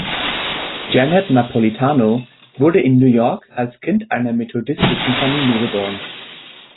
Janet Napolitano wurde in New York als Kind einer methodistischen Familie geboren.